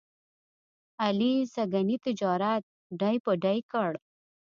علي سږني تجارت ډۍ په ډۍ کړ.